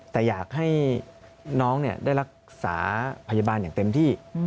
แต่อยากให้น้องได้รักษาพยาบาลอย่างเต็มที่